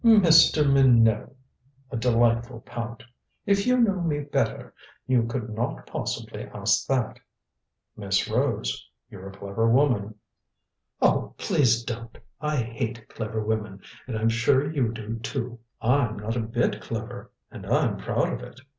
"Mr. Minot!" A delightful pout. "If you knew me better you could not possibly ask that." "Miss Rose, you're a clever woman " "Oh, please don't. I hate clever women, and I'm sure you do, too. I'm not a bit clever, and I'm proud of it.